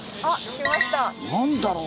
何だろう？